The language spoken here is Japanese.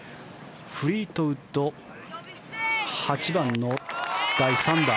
フリートウッド８番の第３打。